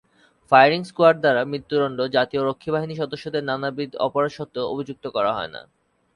Firing squad দারা মৃত্যুদন্ড, জাতীয় রক্ষীবাহিনীর সদস্যদের নানাবিধ অপরাধ সত্ত্বেও অভিযুক্ত করা হয়না।